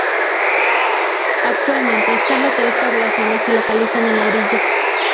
Actualmente, sólo tres poblaciones se localizan en la orilla.